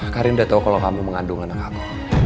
karim udah tau kalo kamu mengandung anak aku